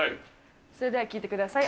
それでは聞いてください。